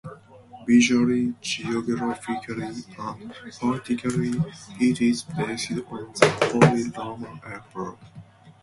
Visually, geographically, and politically, it is based on the Holy Roman Empire.